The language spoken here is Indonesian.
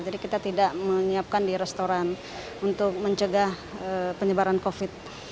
jadi kita tidak menyiapkan di restoran untuk mencegah penyebaran covid